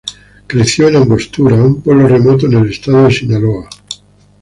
Creció en Angostura, un pueblo remoto en el Estado de Sinaloa.